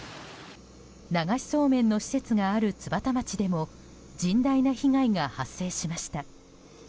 流しそうめんの施設がある津幡町でも甚大な被害が発生しました。